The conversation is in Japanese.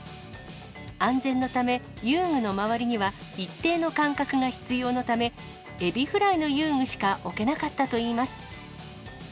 安全のため、遊具の周りには一定の間隔が必要なため、エビフライの遊具しか置けなかったといいます。